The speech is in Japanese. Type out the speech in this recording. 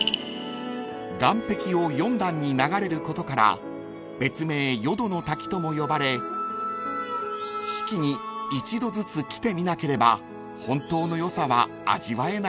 ［岩壁を四段に流れることから別名四度の滝とも呼ばれ四季に一度ずつ来てみなければ本当のよさは味わえないともいわれています］